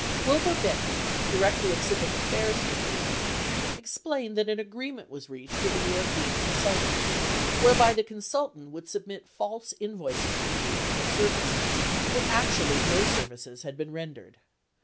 Wilbur Bennett, Director of Civic Affairs for 3 M, explained that an agreement was reached with a European consultant whereby the consultant would submit false invoices to 3 M for services when actually no services had been rendered.